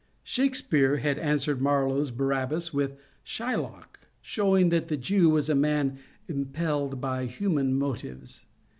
Shake speare had answered Marlowe's Barabbas with Shylock, show ing that the Jew was a man impelled by human motives.